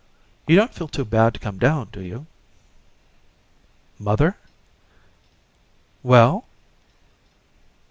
You don't feel too bad to come down, do you?" "Mother?" "Well?"